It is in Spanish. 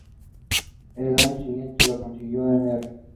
El año siguiente lo consiguió Mr.